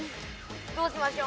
どうしましょう。